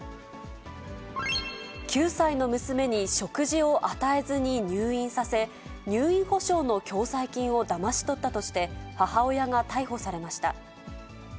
９歳の娘に食事を与えずに入院させ、入院保障の共済金をだまし取ったとして、母親が逮捕されました。